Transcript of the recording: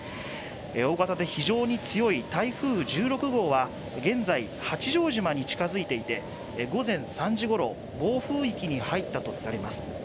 大型で非常に強い台風１６号は現在、八丈島に近づいていて午前３時ごろ暴風域に入ったとみられます。